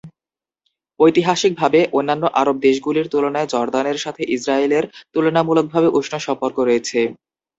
ঐতিহাসিকভাবে, অন্যান্য আরব দেশগুলির তুলনায় জর্দানের সাথে ইসরায়েলের তুলনামূলকভাবে উষ্ণ সম্পর্ক রয়েছে।